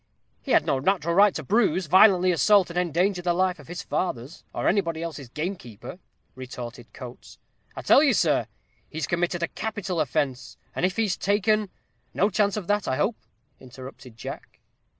"He had no natural right to bruise, violently assault, and endanger the life of his father's, or anybody else's gamekeeper," retorted Coates. "I tell you, sir, he's committed a capital offence, and if he's taken " "No chance of that, I hope," interrupted Jack.